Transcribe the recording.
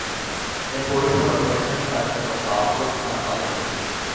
এ পৌরসভার প্রশাসনিক কার্যক্রম বাউফল থানার আওতাধীন।